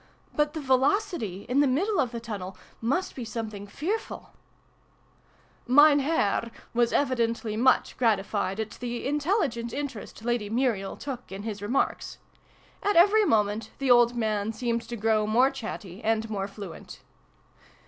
" But the velocity, in the middle of the tunnel, must be something fearful /"' Mein Herr' was evidently much gratified at the intelligent interest Lady Muriel took in his remarks. At every moment the old man seemed to grow more chatty and more fluent.